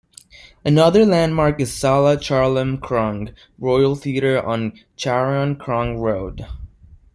Another landmark is Sala Chalermkrung Royal Theatre on Charoen Krung Road.